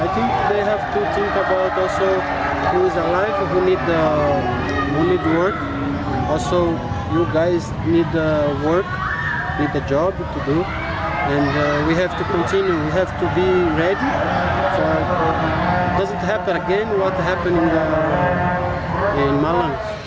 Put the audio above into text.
richard rageni kanjuruhan malam